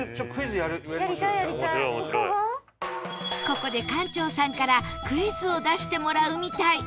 ここで館長さんからクイズを出してもらうみたい